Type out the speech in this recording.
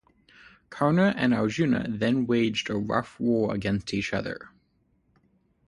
Karna and Arjuna then waged a rough war against each other.